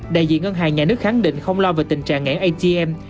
đại diện ngân hàng nhà nước khẳng định không lo về tình trạng ngãn atm